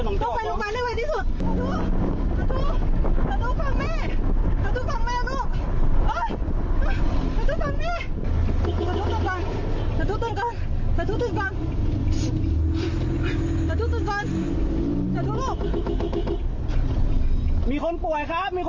น้องเจ้าน้องเจ้าน้องเจ้าใกล้สุด